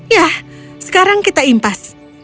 ya sekarang kita impas